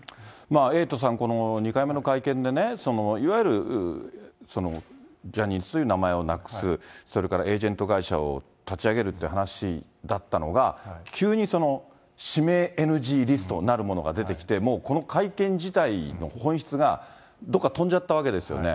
エイトさん、この２回目の会見で、いわゆるジャニーズという名前をなくす、それからエージェント会社を立ち上げるという話だったのが、急に氏名ＮＧリストなるものが出てきて、もうこの会見自体の本質がどっか飛んじゃったわけですよね。